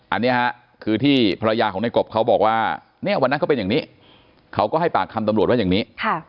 อันนี้ฮะคือที่ภรรยาของในกบเขาบอกว่าเนี่ยวันนั้นเขาเป็นอย่างนี้เขาก็ให้ปากคำตำรวจว่าอย่างนี้